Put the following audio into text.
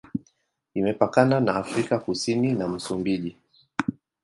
Imepakana na Afrika Kusini na Msumbiji.